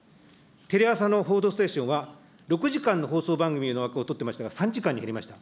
テレ朝の報道ステーションは、６時間の放送番組の枠を取ってましたが３時間に減りました。